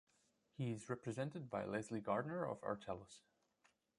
He is represented by Leslie Gardner of Artellus.